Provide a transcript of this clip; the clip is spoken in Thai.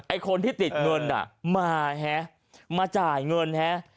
คนที่ติดเงินอ่ะมาฮะมาจ่ายเงินฮะ